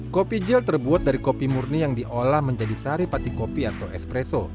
kopi jil terbuat dari kopi murni yang diolah menjadi sari pati kopi atau espresso